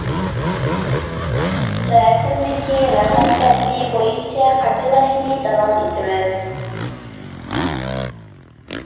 رەسىمدىكى رەقەم تەرىپى بويىچە قاچىلاشنى داۋام ئىتىمىز.